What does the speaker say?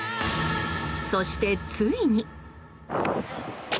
そして、ついに。